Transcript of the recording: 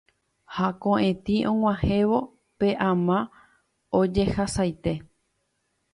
Ha ko'ẽtĩ og̃uahẽvo pe ama ojehasaite